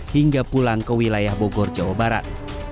hingga pulang ke wilayah bogor jawa barat